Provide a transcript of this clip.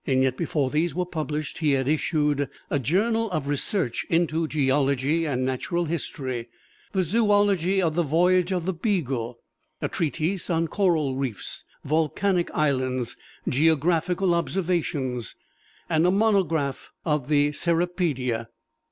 Yet before these were published he had issued "A Journal of Research into Geology and Natural History," "The Zoology of the Voyage of the 'Beagle,'" "A Treatise on Coral Reefs, Volcanic Islands, Geological Observations," and "A Monograph of the Cirripedia."